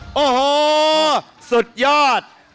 อูหูวสุดยอด